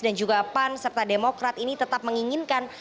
dan juga pan serta demokrat ini tetap menginginkan